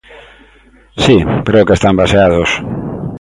Si, creo que están baseados...